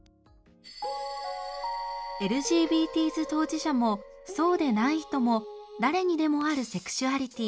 ＬＧＢＴｓ当事者もそうでない人も誰にでもあるセクシュアリティー。